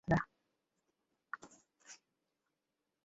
পেয়র হিয়াসান্থের সঙ্গে আমেরিকান কলেজ-সম্বন্ধীয় অনেক কথাবার্তা।